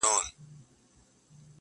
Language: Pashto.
د لرې پراته روحاني جهان مرغۍ ښکاري